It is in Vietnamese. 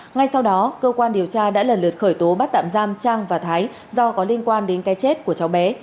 ngay sau đó cơ quan điều tra đã lần lượt khởi tố bắt tạm giam trang và thái do có liên quan đến cái chết của cháu bé